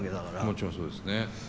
もちろんそうですね。